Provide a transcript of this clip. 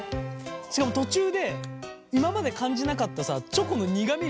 しかも途中で今まで感じなかったさチョコの苦みドンって感じたじゃん。